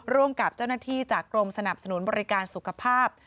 ร่วมกับเจ้าหน้าที่จากกรมสนับสนุนบริการสุขภาพ